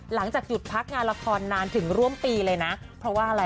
หลังจากหยุดพักงานละครนานถึงร่วมปีเลยน่ะ